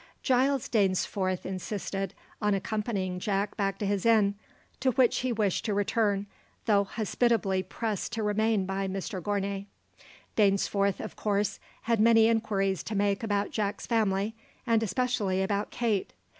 Giles Dainsforth insisted on accompanying Jack back to his inn, to which he wished to return, though hospitably pressed to remain by Mr Gournay. Dainsforth of course had many inquiries to make about Jack's family, and especially about Kate.